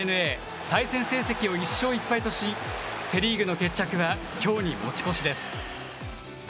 対戦成績を１勝１敗とし、セ・リーグの決着は、きょうに持ち越しです。